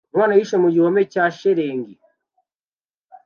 Umwana wihishe mu gihome cya shelegi